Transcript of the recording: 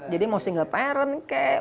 jadi mau single parent kek